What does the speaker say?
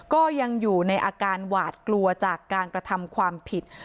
ก็ยังอยู่ในอาการหวาดกลัวจากการกระทำความผิด